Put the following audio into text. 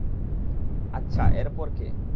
আচ্ছা, এরপর কে?